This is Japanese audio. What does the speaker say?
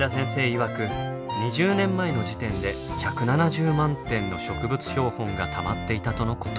いわく２０年前の時点で１７０万点の植物標本がたまっていたとのこと。